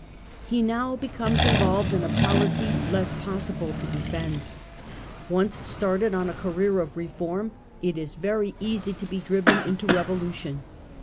He now becomes involved in a policy less possible to defend. Once started on a career of reform it is very easy to be driven into revolution.